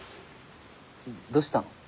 どうしたの？